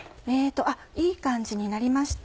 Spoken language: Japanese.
いい感じになりました。